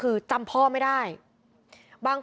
ลูกนั่นแหละที่เป็นคนผิดที่ทำแบบนี้